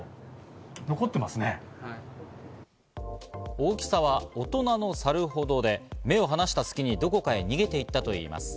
大きさは大人のサルほどで、目を離した隙にどこかへ逃げていったといいます。